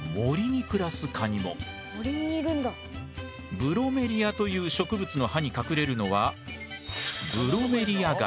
ブロメリアという植物の葉に隠れるのはすげえ